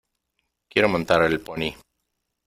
Quiero montar el pony .